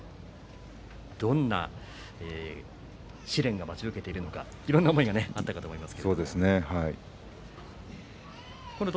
どんな試練が待ち受けているのかいろんな思いがあったかと思います。